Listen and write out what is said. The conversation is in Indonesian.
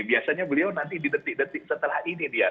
biasanya beliau nanti didetik detik setelah ini dia